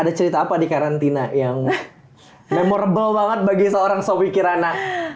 ada cerita apa di karantina yang memorable banget bagi seorang sopi kirana